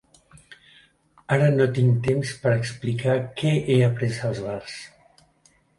Ara no tinc temps per explicar què he après als bars.